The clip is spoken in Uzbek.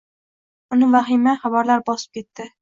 Uni vahima xabarlar bosib ketdi.